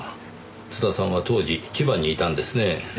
津田さんは当時千葉にいたんですねえ。